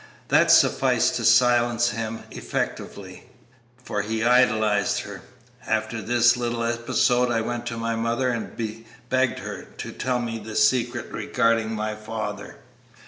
That sufficed to silence him effectually, for he idolized her. After this little episode I went to my mother and begged her to tell me the secret regarding my father."